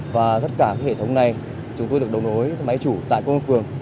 và tất cả hệ thống này chúng tôi được đấu nối với máy chủ tại công an phường